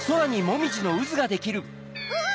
うわ！